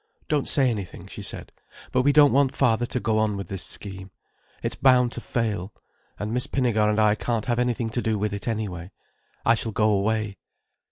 "Don't say anything," she said. "But we don't want father to go on with this scheme. It's bound to fail. And Miss Pinnegar and I can't have anything to do with it anyway. I shall go away."